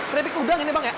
keripik udang ini bang ya